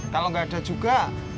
kalau gak ada juga